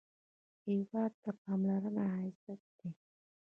هېواد ته پاملرنه عزت دی